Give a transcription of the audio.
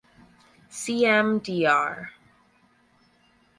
Cmdr.